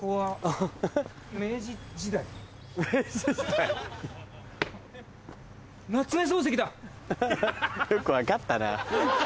ハハよく分かったな。